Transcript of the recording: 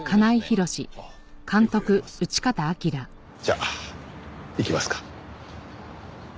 じゃ行きますか。